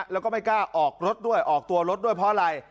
แล้วก็ไม่กล้าออกรถด้วยออกตัวรถด้วยเพราะอะไร